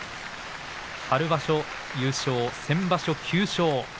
春場所優勝、先場所９勝。